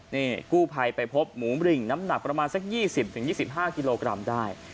นี่กู้ภัยไปพบหมูบริ่งน้ำหนักประมาณสัก๒๐๒๕กิโลกรัมได้